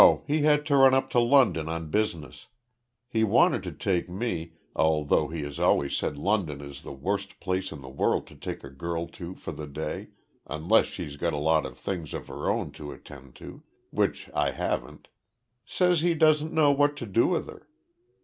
He had to run up to London on business. He wanted to take me, although he always says London is the worst place in the world to take a girl to for the day, unless she's got a lot of things of her own to attend to which I haven't. Says he doesn't know what to do with her.